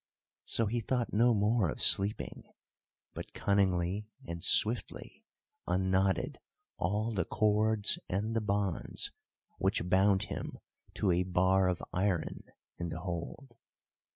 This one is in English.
So he thought no more of sleeping, but cunningly and swiftly unknotted all the cords and the bonds which bound him to a bar of iron in the hold.